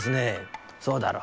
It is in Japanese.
「そうだろ。